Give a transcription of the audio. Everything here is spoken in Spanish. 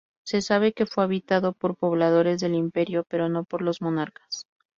Se sabe que fue habitado por pobladores del imperio, pero no por los monarcas.